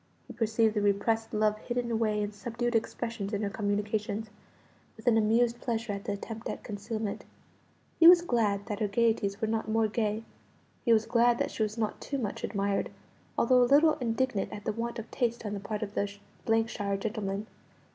He perceived the repressed love hidden away in subdued expressions in her communications, with an amused pleasure at the attempt at concealment. He was glad that her gaieties were not more gay; he was glad that she was not too much admired, although a little indignant at the want of taste on the part of the shire gentlemen.